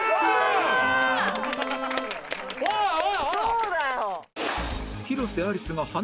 そうだよ！